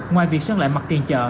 ngoài việc sơn lại mặt tiền chợ